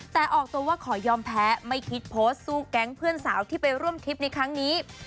แต่ออกตัวว่าขอยอมแพ้ไม่คิดโพสต์สู้แก๊งเพื่อนสาวที่ไปร่วมทริปในครั้งนี้